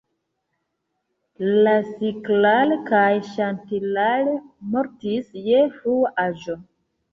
Rasiklal kaj Ŝantilal mortis je frua aĝo.